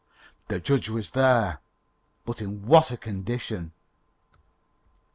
The judge was there! but in what a condition.